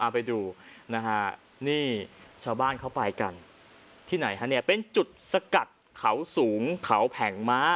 ไปดูชาวบ้านเข้าไปกันที่ไหนเป็นจุดสกัดเขาสูงเขาแผงม้า